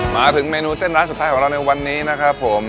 มาถึงเมนูเส้นร้านสุดท้ายของเราในวันนี้นะครับผม